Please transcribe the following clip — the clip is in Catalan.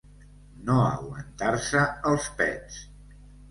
No aguantar-se els pets.